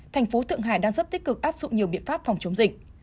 thành phố thượng hải đang rất tích cực áp dụng nhiều biện pháp phòng chống dịch